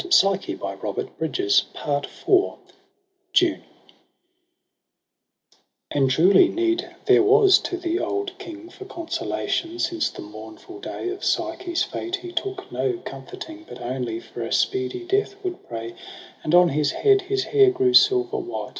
ARE THEMSELVES DESTROYED ^ JUNE I A ND truly need there was to the old King For consolation : since the mournful day Of Psyche's fate he took no comforting. But only for a speedy death would pray ; And on his head his hair grew silver white.